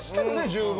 十分。